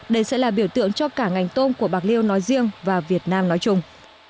đây sẽ là biểu tượng cho cả ngành tôm của bạc liêu nói riêng và việt nam nói chung